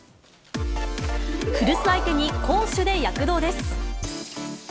古巣相手に、攻守で躍動です。